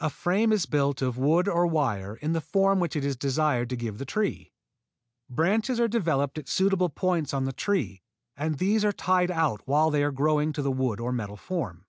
A frame is built of wood or wire in the form which it is desired to give the tree. Branches are developed at suitable points on the tree and these are tied out while they are growing to the wooden or metal form.